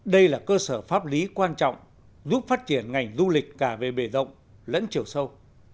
đây là cơ sở pháp lý quan trọng giúp phát triển ngành du lịch cả về bề rộng lẫn chiều sâu